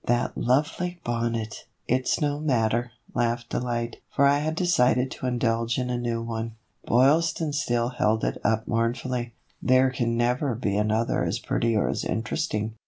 " That lovely bonnet !" "It's no matter," laughed Delight; "for I had decided to indulge in a new one." Boylston still held it up mournfully. "There can never be another as pretty or as interesting.